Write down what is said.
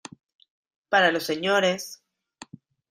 Para los Sres.